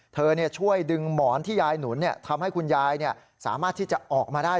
เธอช่วยดึงหมอนที่ยายหนุนทำให้คุณยายสามารถที่จะออกมาได้